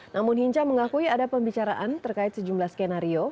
namun hinca mengakui ada pembicaraan terkait sejumlah skenario